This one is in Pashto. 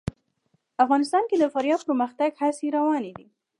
افغانستان کې د فاریاب د پرمختګ هڅې روانې دي.